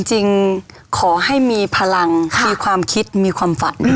จริงขอให้มีพลังมีความคิดมีความฝัน